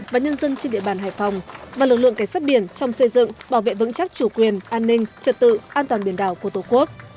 và nhân dân trên địa bàn hải phòng và lực lượng cảnh sát biển trong xây dựng bảo vệ vững chắc chủ quyền an ninh trật tự an toàn biển đảo của tổ quốc